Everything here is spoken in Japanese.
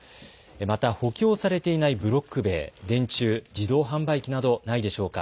また補強されていないブロック塀、電柱、自動販売機などないでしょうか。